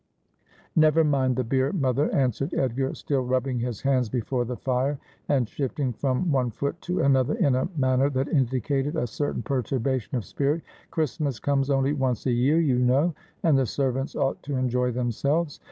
' Never mind the beer, mother,' answered Edgar, stiU rub bing his hands before the fire, and shifting from one foot to another in a manner that indicated a certain perturbation of spirit ;' Christmas comes only once a year, you know, and the servants ought to enjoy themselves.'